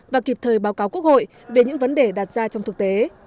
và kịp thời báo cáo quốc hội về những vấn đề đạt ra trong thực tế